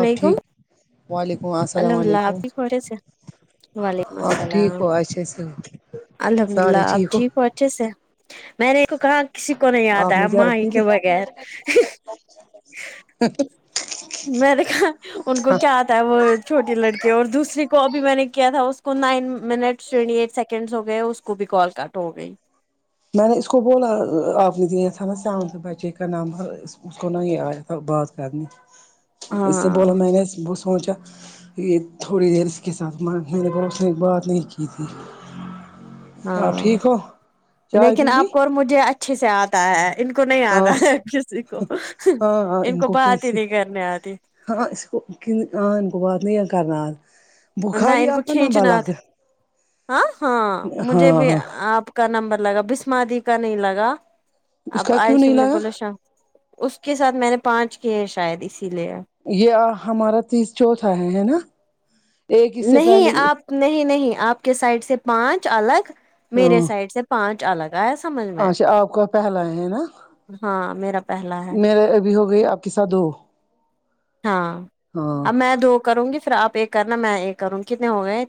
آپ ٹھیک وعلیکم السلام الحمداللہ اپ علیکم ٹھیک ہو اچھے سے وعلیکم آپ السلام ٹھیک ہو اچھے سے ہو الحمدللہ اب ٹھیک ہو اچھے سے میں نے کو کہا کسی کو نہیں آپ اتا نے ہے ماں چاٹ ہی پی لی کے بغیر [unintelligible] میں نے کہا ان ہاں کیا چھوٹی لڑکے اور دوسرے کو ابھی میں نے کیا تھا اس کو منٹس ٹونٹی عیٹھ سیکنڈ ہو گئے اس کو بھی کال کٹ ہو گیی میں نے اس کو بولا آپ نے دیا تھا نا سونٹھ بجے کا نمبر اس کو نہیں ایئ تھی بات کر نی اس سے ہاں بولیں میں نے سوچا یہ تھوڑی دیر اس کے ساتھ بات نہیں کی تھی آپ ہاں ٹھیک ہو چائے لیکن پی لی آپ کو اور مجھے اچھے سے اتا ہے ان کو نہیں ہاں اتا کسی کو ہاں ہاں ان کو بات ہی کیسے نہیں کرنی اتی ہاں اسکو انکو بات نہیں کرنا اتا نہ بخاری ان کو اپنا لمبا کھینچنا آتا ہاں ہاں مجھے ہاں بھی ہاں اپ کا نمبر لگا بسما دی کا نہیں لگا اس اب کا اج کیوں نہیں ہم نے لگا بولے شام اس کے ساتھ میں نے پانچ کیے شاید اسی لیے یہ ہمارا تیس چوتھا ہے ہے نا ایک اس سے نہیں پہلے اپ نہیں نہیں اپ کے سائیڈ سے پانچ الگ میرے ہاں سائیڈ سے پانچ الگ ایا سمجھ میں اچھا اپ کا پہلا ہے نا ہاں میرا پہلا ہے میرے ابھی ہو گئی اپ کے ساتھ دو ہاں اب میں دو کروں گی پھر اپ ایک کرنا میں ایک اور کتنے ہو گئے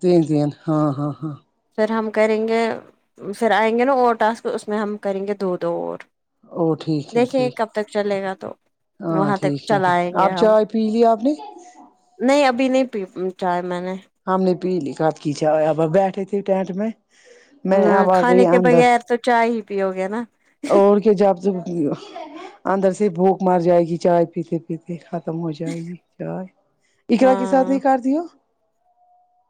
تین تین ہاں ہاں ہاں پھر ہم کریں گے پھر ائیں گے نا اور ٹاسک اس میں ہم کریں گے دو دو اور او ٹھیک ہے دیکھیں ٹھیک کب تک چلے گا تو ہاں وہاں تک ٹھیک ہے ٹھیک چلائیں گے آپ ہم چائے پی لی آپ نے نہیں ابھی نہیں پی چائے میں نے ہم نے پی لی کب کی جائے اپ ہم بیٹھے تھے ٹینٹ میں میں اب آ گئی کھانے کے اندر بغیر تو چائے ہی پیؤ گے نا اور کیا جب اندر سے بھوک مار جائے گی چائے پیتے پیتے ختم ہو جائے گی یار اقرا کے ساتھ ہاں نہیں کرتی ہو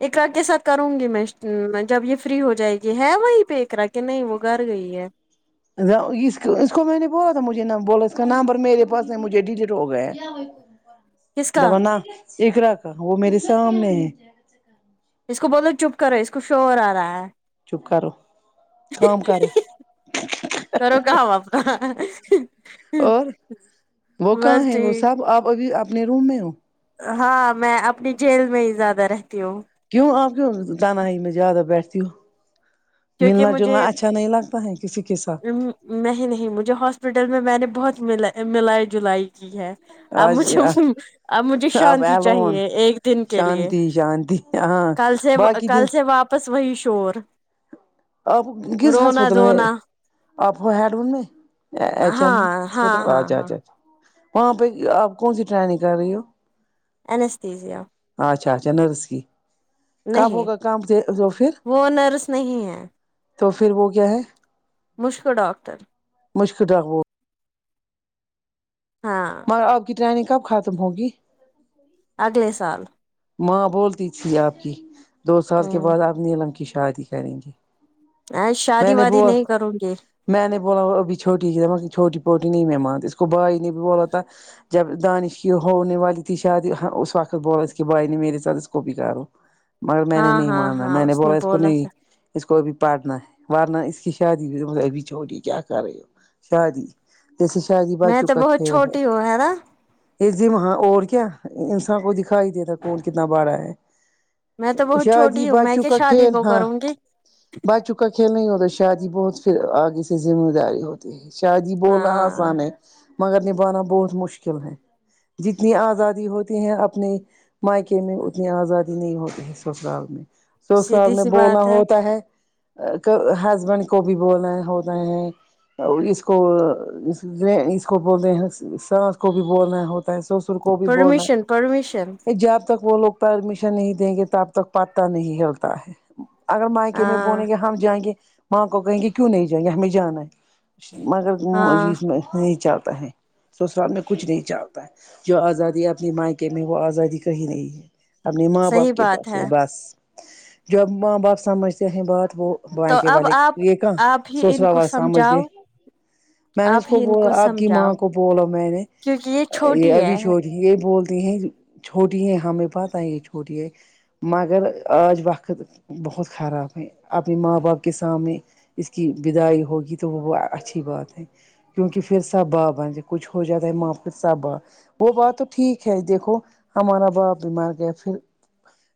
اقرا کے ساتھ کروں گی میں جب یہ فری ہو جائے گی ہے وہیں پہ اقرا کہ نہیں وہ گھر گئی ہے اس کو میں نے بولا تھا مجھے نہ بولا اس کا نمبر میرے پاس ہے مجھے ڈیلیٹ ہو گیا ہیں کس کا نہ اقرا کا وہ میرے سامنے ہے اس کو بولو چپ کرو اس کو شور آ رہا ہے چپ کرو کام کرو کرو کام اپنا اور وہ کہاں بس ہے وہ ٹھیک سب آپ ابھی اپنے روم میں ہو ہاں میں اپنی جیل میں ہی زیادہ رہتی ہوں کیوں آپ کیوں تنہائی میں زیادہ بیٹھتی ہوں کیونکہ ملنا مجھے جلنا اچھا نہیں لگتا ہے کسی کے ساتھ نہیں نہیں مجھے ہاسپٹل میں میں نے بہت ملائی جلائی کی ہے اب آج مجھے اب مجھے آپ شانتی الون چاہیے ایک دن کے لیے شانتی شانتی ہاں کل سے باقی کل دن سے واپس وہی شور آپ کس رونا ہسپتال میں دھونا آپ ہو ہڈون میں اچ ایم ہاں ہاسپٹل ہاں ہاں اچھا ہاں اچھا وہاں پہ آپ کون سی ٹرائنگ کر رہی ہو اینستھزیا اچھا اچھا نرس کی کب نہیں ہوگا کام وہ پھر وہ نرس نہیں ہیں تو پھر وہ کیا ہے مشک ڈاکٹر مشک ڈاکٹر ہاں اور آپ کی ٹریننگ کب ختم ہوگی اگلے سال ماں بولتی تھی آپ کی دو سال کے ہ بعد آب نیلم کی شادی کریں گی شادی وادی نہیں کروں گی میں نے بولا وہ ابھی چھوٹی ہے اس نے بولا چوٹی پوٹی نہیں میں مانتی اس کو بھائی نے بھی بولا تھا جب دانش کی ہونے والی تھی شادی اس وقت بولا بھائی نے میرے ساتھ اس کو بھی کرو مگر میں نے ہاں نہیں ہاں ماننا ہاں میں نے بولا اس کو نہیں تھا اس کو ابھی پھڑنا ہے ورنہ اس کی شادی میں نے بولا وہ ابھی چھوٹی کیا کر رہی ہو شادی جیسے شادی میں بچوں تو کا بہت کھیل ہے چھوٹی ہوں نا وہاں اور کیا انسان کو دکھائی دیتا کون کتنا بڑا میں تو ہے بہت شادی چھوٹی ہوں میں بچوں کیا کا شادی کھیل کو ہاں کروں گی بچوں کا کھیل نہیں ہوتا شادی بہت پھر آگے سے ذمہ داری ہوتی شادی بولنا ہاں آسان ہے مگر نبھانا بہت مشکل ہے جتنی آزادی ہوتی ہیں اپنے مائکے میں اتنی آزادی نہیں ہوتی ہے سسرال میں تو سب سیدھی نے سی بولنا بات ہوتا ہے ہسبینڈ کو بھی بولنا ہوتا ہے اس کو اس کو بولتے ساس کو بھی بولنا ہوتا ہے سوسر پرمیشن پرمیشن جب تک وہ لوگ پرمیشن نہیں دیں گے تب تک پتاہ نہیں ہلتا ہے اگر مائکے میں ہاں بولیں گے ہم جائیں گے ماں کو کہیں گے کیوں نہیں جائیں گے ہمیں جانا ہے مگر ہاں اس میں نہیں چلتا ہے سسرال میں کچھ نہیں چلتا ہے جو آزادی اپنی مائکے میں وہ آزادی کہی نہیں ہے اپنے ماں صحیح باپ کے بات پاس ہے بس جب ماں باپ سمجھتے ہیں بات وہ تو مائیکے اب والے آپ یہ کہاں آپ ہی ان سسرال کو والے سمجھتے سمجھاؤ ہیں میں نے اس آپ کو ہی ان بولا آپ کی ماں سمجھاؤ کو بولا میں نے کیونکہ یہ چھوٹی ابھی ہے چھوٹی یہ بولتی ہیں چھوٹی ہے ہمیں پتہ ہے یہ چھوٹی ہے مگر آج وقت بہت خراب ہے اپنے ماں باپ کے سامنے اس کی بدائی ہوگی تو وہ وہ اچھی بات ہے کیونکہ پھر سب باپ بنتے ہیں کچھ ہو جاتا ہے ماں پہ سب بات وہ بات تو ٹھیک ہے دیکھو ہمارا باپ بھی مر گیا پھر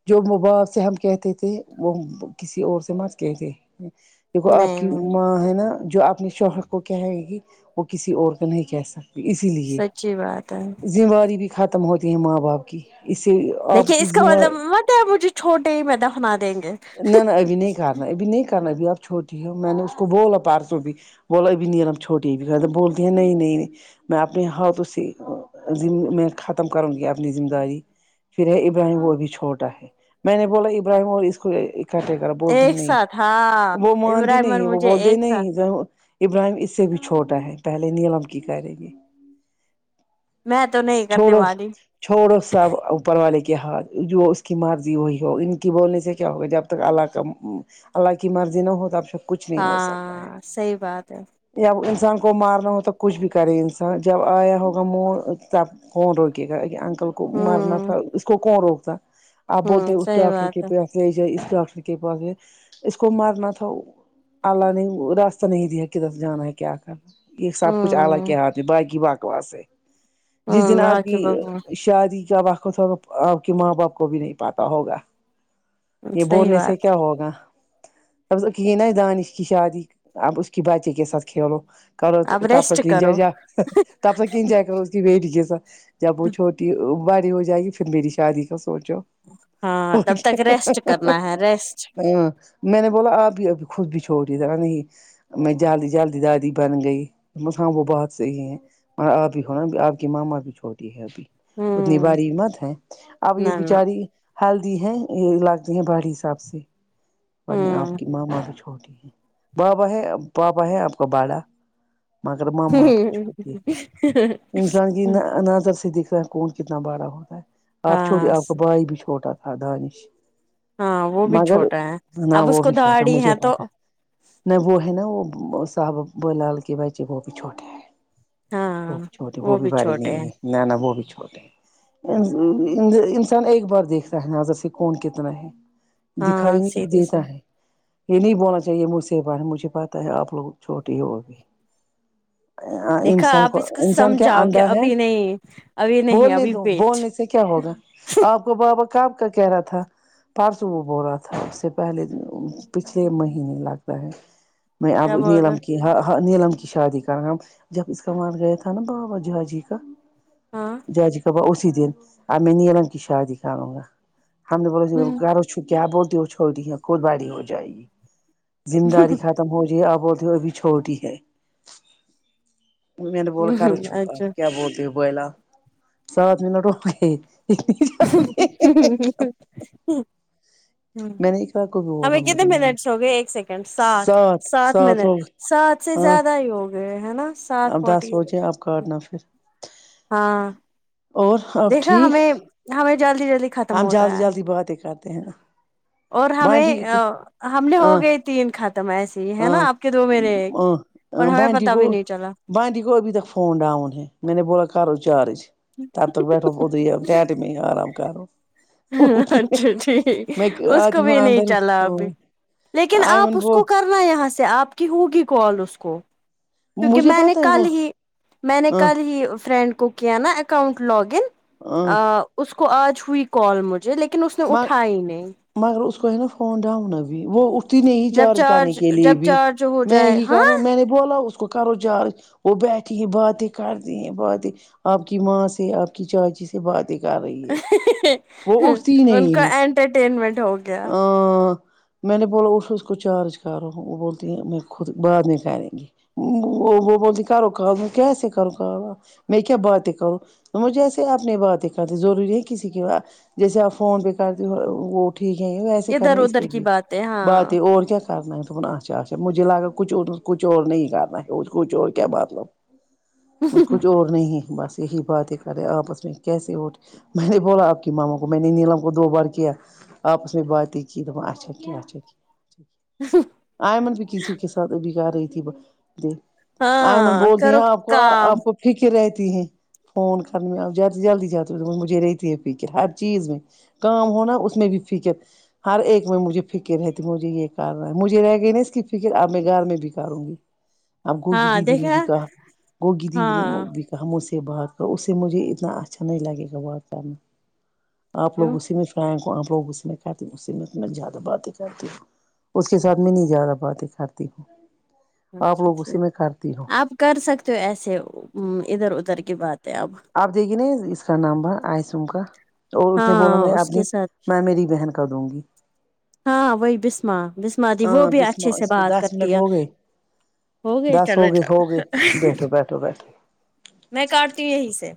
جو باپ سے ہم کہتے تھے وہ کسی اور سے مت کہتے ہیں دیکھو آپ نہیں کی نہیں ماں ہے نا جو اپنے شوہر کو کہے گی وہ کسی اور کا نہیں کہ سکتی اسی لیے سچی بات ہے ذمہواری بھی ختم ہوتی ہے ماں باپ کی اس سے آپ دیکھیے کی اس کا ذمہ مطلب مت ہے مجھے چھوٹے ہی میں دفنا دیں گے نہ نہ ابھی نہیں کرنا ابھی نہیں کرنا ابھی اپ چھوٹی ہو میں نے اس کو بولا پرسو بھی بولا ابھی نیلم چھوٹی ہے بولتی ہیں نہیں نہیں نہیں میں اپنے ہاتھوں سے میں ختم کروں گی اپنی ذمہ داری پھر ہے ابراہیم وہ ابھی چھوٹا ہے میں نے بولا ابراہیم اور اس کو اکٹھے بولتے ایک نہیں ساتھ ہاں وہ مانتی ابراہیمر نہیں وہ مجھے بولتے ہیں ایک ساتھ نہیں ابراہیم اس سے بھی چھوٹا ہے پہلے نیلم کی کرے گی میں تو نہیں کرنے چھوڑو والی چھوڑو سب اوپر والے کے ہاتھ میں جو اس کی مرضی وہی ہوگا ان کے بولنے سے کیا ہوگا جب تک اللہ کا اللہ کی مرضی نہ ہو تب کچھ نہیں ہو سکتا ہے ہاں صحیح بات ہے جب انسان کو مرنا ہو تو کچھ بھی کرے انسان جب آیا ہوگا موت تب کون روکے گا انکل کو مرنا ہوں تھا اس کو کون روکتا آپ بولتے ہوں ہیں اس صحیح ڈاکٹر کے بات ہے پس لے جائے اس ڈاکٹر کے پاس اس کو مرنا تھا اللہ نے راستہ نہیں دیا کدھر سے جانا ہے کیا کرنا ہے یہ سب کچھ اللہ ہوں کے ہاتھ میں باقی بکواس ہے جس دن ہوں آپ باقی کی بگوان شادی کا وقت ہوگا آپ کے ماں باپ کو بھی نہیں پتہ ہوگا یہ صحیح بولنے سے بات ہے، کیا ہوگا اب تو کی ہے نا ہے دانش کی شادی اب اس کی بچے کے ساتھ کھیلو کرو اب تب ریسٹ تک کرو انجوائے تب تک انجوائے کرو بیٹی کے ساتھ جب وہ چھوٹی بڑی ہو جائے گی پھر میری شادی کا سوچو ہاں اور تب تک ریسٹ کیا کرنا ہے ریسٹ ہاں میں نے بولا آپ بھی ابھی خود بھی چھوڑی تھے نہیں میں جلدی جلدی دادی بن گئی ہاں وہ بہت صحیح ہے ہاں آپ بھی ہو نا آپ کی ماما بھی چھوٹی ہے ابھی اتنی ہوں بڑی مت ہے اب نہ یہ نہ بچاری ہلدی ہے یہ لگتی ہیں بڑی سب سے ورنہ آپ ہوں کی ماما بھی چھوٹی ہیں بابا ہے بابا ہے آپ کا بڑا مگر ماما آپ کی چھوٹی ہے انسان یہ نظر سے دکھ رہا ہے کون کتنا بڑا ہوتا ہے آپ ہاں چھوٹے آپ کا بھائی بھی چھوٹا تھا دانش ہاں وہ بھی مگر چھوٹا ہے نہ اب اس وہ کو بھی چھوٹا دہاڑی مجھے تو پتا ہے نہ وہ ہے نا وہ صاحب بولاال کے بچے وہ بھی چھوٹے ہیں وہ ہاں بھی چھوٹی وہ بھی بڑے نہیں چھوٹے ہیں ہے نہ نہ وہ بھی چھوٹے ہیں انسان ایک بار دیکھتا ہے نظر سے کون کتنا ہے ہاں دکھائی نہیں سیدھے سے دیتا ہے یہ نہیں بولنا چاہیے مجھ سے مجھے پتہ ہے آپ لوگ چھوٹے ہو ابھی دیکھا انسان کو آپ اس انسان کیا سمجھاؤ کہ اندھا ہے ابھی نہیں ابھی نہیں بولنے ابھی دو ویٹ بولنے سے کیا ہوگا آپ کو بابا کب کا کہہ رہا تھا پرسو وہ بول رہا تھا اس سے پہلے پچھلے مہینے لگتا ہے میں اب کیا بول نیلم رہے کی نیلم کی شادی کر جب اس کا مر گیا تھا نا بابا جاجی کا ہاں جاجی کا بابا اسی دن اب میں نیلم کی شادی کروں گا ہم نے بولا کرو چپ کیا بولتی ہو چھوٹے ہے خود بڑی ہو جائے گی ذمہ داری ختم ہو جائے اپ بولتے ہو ابھی چھوٹی ہے میں نے بولا کرو چپ آپ اچھا کیا بولتے ہو بولال ساتھ منٹ ہو گئے ہ جلدی میں نے اقرا کو بھی بولا ہمیں کتنے مجھے نہیں منٹس ہو گے ایک سیکنڈ ساتھ سات ساتھ سات منٹ ہو ساتھ سے ہاں زیادہ ہی ہو گئے ہے نا ساتھ اب دس فورٹی بجے آپ کاٹنا پھر ہاں اور آپ دیکھا ٹھیک ہمیں ہمیں جلدی جلدی ختم ہم ہوتا جلدی ہے جلدی باتیں کرتے ہیں اور ہمیں بانڈی ہم نے ہو ہاں گئی تین ختم ایسے ہی ہے نا آپ کے دو میرے ایک اور ہاں ہمیں پتا بھی نہیں چلا بانٹی کو ابھی تک فون ڈاؤن ہے میں نے بولا کرو چارج تب تب تک بیٹھو ادھر ہی اب ٹینٹ میں ہی آرام کرو اچھا ٹھیک میں اس کو آتی ہوں بھی نہیں اندر چلا ابھی لیکن آپ ایمن اس بول کو کر نا یہاں سے آپ کی ہوگی کال اس کو کیونکہ مجھے میں نے پتا ہے کل وہ ہی میں نے ہاں کل ہی فرینڈ کو کیا نا اکاؤنٹ لاگ ان ہاں اس کو آج ہوئی کال مجھے لیکن اس نے اٹھائی ہی نہیں مگر اس کو ہے نا فون ڈاؤن ابھی وہ اٹھ اٹھتی ہی نہیں جب چارج کرنے کے لیے جب بھی چارج ہو میں جائے ہی ہاں کروں میں نے بولا بولا اس کو کرو چارج وہ بیٹھی ہیں باتیں کرتی ہیں باتیں آپ کی ماں سے آپ کی چاچی سے باتیں کر رہی ہے وہ اٹھ ان کا انٹرٹینمنٹ ہو گیا ہاں میں نے بولا اس کو چارج کرو وہ بولتی ہیں میں خود بعد میں کریں گے وہ وہ بولتی کروں کام میں کیسے کروں کام میں کیا باتیں کروں مجھے ایسے اپنے باتیں کرنی ضروری ہے کسی کی بات جیسے آپ فون پہ کرتی وہ ٹھیک ہے وسے کرنا ادھر اس ادھر پہ کی بھی باتیں ہاں باتیں اور کیا کرنا ہے دپن اچھا اچھا مجھے لگا کچھ اور کچھ اور نہیں کرنا ہے کچھ اور کیا مطلب اس کچھ اور نہیں بس یہی باتیں کر رہے ہیں آپس میں کیسے اور میں نے بولا آپ کی ماما کو میں نے نیلم دو بار کیا آپس میں باتیں کی کہ دپن اچھا کیا اچھا کیا [inaudible] آئمن بھی کسی کے ساتھ ابھی کر رہی تھی باتیں آئمن ہاں بولتی ہیں کرو آپ کو کام آپ کو فکر رہتی ہے فون کرنے میں اب جلد سے جلدی جاتے مجھے رہتی ہے فکر ہر چیز میں کام ہو نا اس میں بھی فکر ہر ایک میں مجھے فکر رہتی مجھے یہ کرنا ہے مجھے رہ گئی نا اس کی فکر اب میں گھر میں بھی کروں گی [inaudible] اب گوگی دیدی نے بھی دیکھا کہا‌ گوگی دیدی نے ہاں بھی مجھ سے بات کر اس سے مجھے اتنا اچھا نہیں لگے گا بات کرنا آپ کیوں لوگوں سے میں فرینک ہوں آپ لوگ سے میں کرتی ہوں اسی میں تو میں زیادہ بات نہیں ہی کرتی ہوں اس کے ساتھ میں نہیں زیادہ باتیں کرتی ہوں آپ اچھا لوگوں سے ٹھیک میں کرتی ہوں آپ کر سکتے ہو ایسے ادھر ادھر کی باتیں اب اب دی گی نا اس کا نمبر آئیسوم کا اور اس نے بولا ہاں میں اس اپنی کے ساتھ میں مامیری بہن کا کر دوں گی ہاں وہی بسما بسما دی وہ ہاں بھی اچھے بسما سے اس کو بات دس کرتی منٹ ہے ہو گئے ہو گئے دس چلو ہو چلو ہو گئے بیٹھو بیٹھو بیٹھو میں کاٹتی ہوں یہیں سے